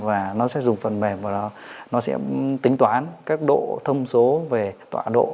và nó sẽ dùng phần mềm và nó sẽ tính toán các độ thông số về tọa độ